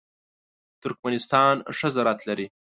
ترکمنستان ښه زراعت لري.